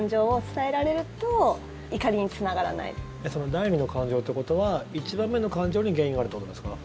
第２の感情ということは１番目の感情に原因があるってことですか？